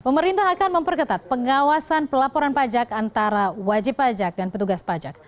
pemerintah akan memperketat pengawasan pelaporan pajak antara wajib pajak dan petugas pajak